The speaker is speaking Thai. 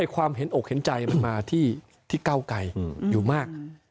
ความเห็นอกเห็นใจมันมาที่เก้าไกรอยู่มาก